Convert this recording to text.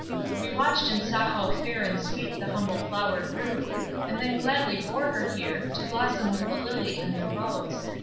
We watched and saw how fair and sweet the humble flower grew, and then gladly bore her here, to blossom with the lily and the rose.